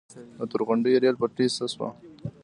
د تورغونډۍ ریل پټلۍ څه شوه؟